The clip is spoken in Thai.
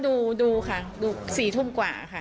หนูก็ดูคะดูสี่ทุ่มกว่าค่ะ